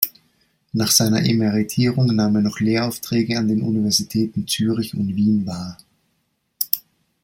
Nach seiner Emeritierung nahm er noch Lehraufträge an den Universitäten Zürich und Wien wahr.